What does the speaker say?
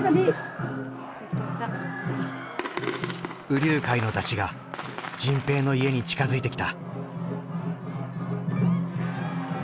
兎龍会の山車が迅平の家に近づいてきた。